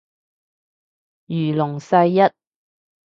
如龍世一